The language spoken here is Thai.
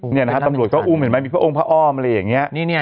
นี่นะฮะตำรวจก็อุ้มเห็นไหมมีพระองค์พระอ้อมอะไรอย่างนี้